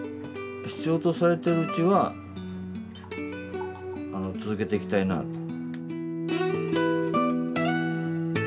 必要とされているうちは続けていきたいなと。